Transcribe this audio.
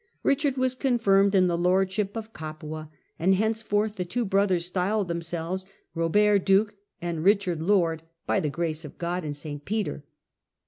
Bichard was confirmed in the lordship of Capua, and henceforth the two brothers styled themselves, Bobert, ^Duke,' and Bichard, * Lord, by the grace of God and Saint Peter.'